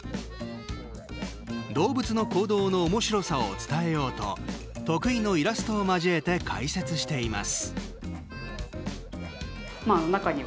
動物の行動のおもしろさを伝えようと得意のイラストを交えて解説しています。